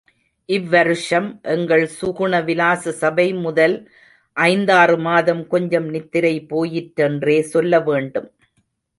இவ் வருஷம் எங்கள் சுகுண விலாச சபை, முதல் ஐந்தாறு மாதம் கொஞ்சம் நித்திரை போயிற்றென்றே சொல்ல வேண்டும்.